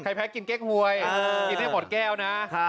แพ้กินเก๊กหวยกินให้หมดแก้วนะ